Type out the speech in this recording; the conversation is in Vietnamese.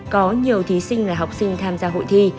có nhiều thí sinh là học sinh tham gia hội thi